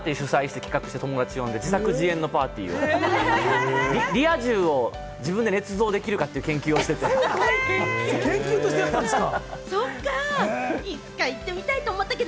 自分でパーティー主催して企画して友達呼んで、自作自演のパーティーをリア充を自分で捏造できるかという研究をしつつ、研究としてやってたんですか？